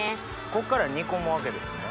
こっから煮込むわけですね。